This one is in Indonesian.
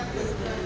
itu pesan singkat